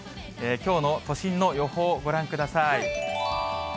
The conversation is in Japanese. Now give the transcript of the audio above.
きょうの都心の予報ご覧ください。